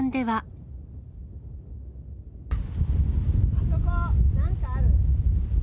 あそこ、なんかある。